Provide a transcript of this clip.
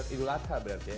itu latar berarti ya